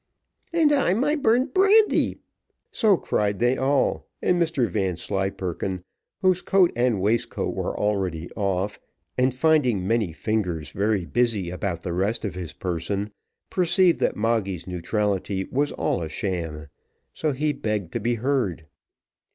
"And I my burnt brandy." So cried they all, and Mr Vanslyperken, whose coat and waistcoat were already off, and finding many fingers very busy about the rest of his person, perceived that Moggy's neutrality was all a sham, so he begged to be heard.